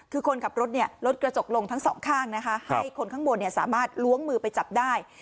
คือคนขับรถลดกระจกลงทั้งสองข้างนะคะให้คนข้างบนสามารถล้วงมือไปจับได้